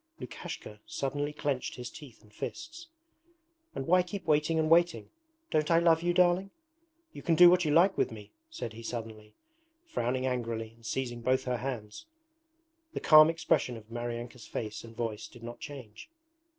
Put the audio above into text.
Lukashka suddenly clenched his teeth and fists. 'And why keep waiting and waiting? Don't I love you, darling? You can do what you like with me,' said he suddenly, frowning angrily and seizing both her hands. The calm expression of Maryanka's face and voice did not change.